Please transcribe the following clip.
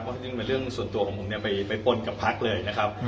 เพราะจริงเป็นเรื่องส่วนตัวของผมเนี่ยไปปลดกับภาคเลยนะครับ